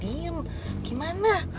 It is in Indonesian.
bukannya diem gimana